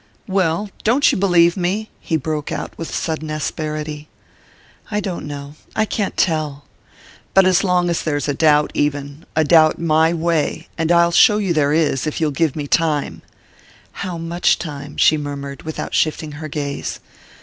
"Well don't you believe me?" he broke out with sudden asperity. "I don't know...I can't tell...." "But as long as there's a doubt, even a doubt my way and I'll show you there is, if you'll give me time " "How much time?" she murmured, without shifting her gaze.